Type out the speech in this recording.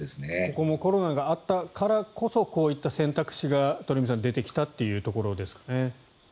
ここもコロナがあったからこそこういう選択肢が鳥海さん出てきたというところですかね。